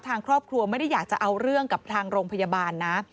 ทางครอบครัวไม่ได้อยากจะเอาเรื่องกับทางโรงพยาบาลนะ